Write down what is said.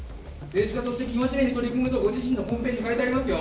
政治家として生真面目に取り組むとご自身のホームページに書いてありますよ。